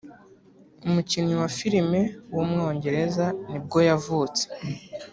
umukinnyi wa filime w’umwongereza ni bwo yavutse